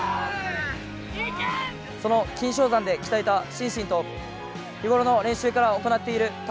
その金生山で鍛えた心身と日頃の練習から行っている魂